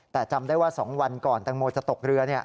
แต่จำได้ว่า๒วันก่อนแตงโมจะตกเรือ